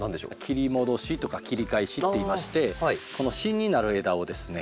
「切り戻し」とか「切り返し」っていいましてこの芯になる枝をですね。